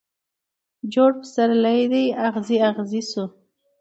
جوړ پسرلی دي اغزی اغزی سو